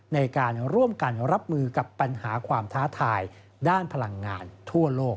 ในการร่วมกันรับมือกับปัญหาความท้าทายด้านพลังงานทั่วโลก